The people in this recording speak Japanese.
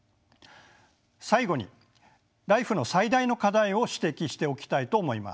最後にＬＩＦＥの最大の課題を指摘しておきたいと思います。